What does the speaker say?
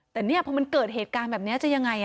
แต่เนี่ยพอมันเกิดเหตุการณ์แบบนี้จะยังไง